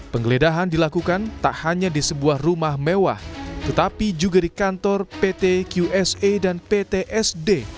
penggeledahan dilakukan tak hanya di sebuah rumah mewah tetapi juga di kantor pt qsa dan ptsd